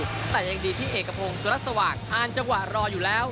แต่ยังดีที่เอกพงศุรัสสว่างอ่านจังหวะรออยู่แล้ว